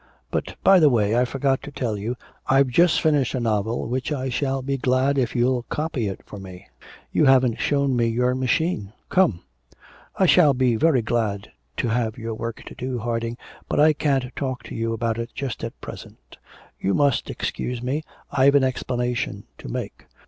But, by the way, I forgot to tell you I've just finished a novel which I shall be glad if you'll copy it for me. You haven't shown me your machine. Come.' 'I shall be very glad to have your work to do, Harding, but I can't talk to you about it just at present. You must excuse me, I've an explanation to make.